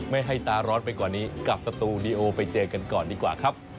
ไม่ให้ตาร้อนไปกว่านี้กับสตูดิโอไปเจอกันก่อนดีกว่าครับ